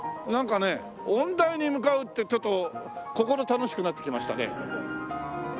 なんかね音大に向かうってちょっと心楽しくなってきましたね。